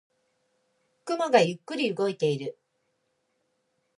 雲がゆっくり動いている。